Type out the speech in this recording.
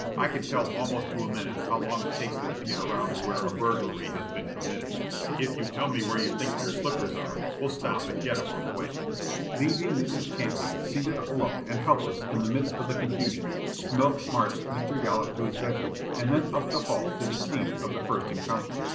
I can tell almost to a minute how long it takes them to get around to where a burglary has been committed. If you'll tell me where you think your slippers are we'll stop and get 'em on the way." Leaving Mrs. Champney seated alone and helpless in the midst of the confusion, Smilk marched Mr. Yollop to his bedroom and then up the hall to the scene of the first encounter.